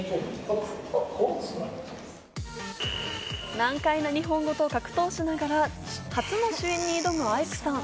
難解な日本語と格闘しながら初の主演に挑むアイクさん。